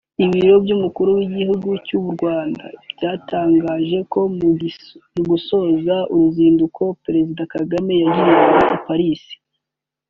ibiro by’umukuru w’igihugu cy’u Rwanda byatangaje ko mu gusoza uruzinduko Perezida Kagame yagiriraga i Paris